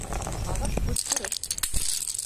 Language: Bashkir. Аҙаҡ күҙ күрер